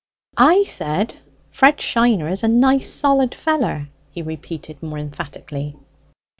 "I said Fred Shiner is a nice solid feller," he repeated, more emphatically.